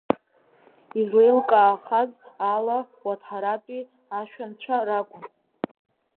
Излеилкаахаз ала, Уаҭҳаратәи ашәанцәа ракәын.